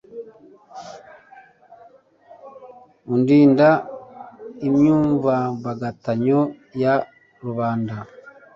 undinda imyivumbagatanyo ya rubanda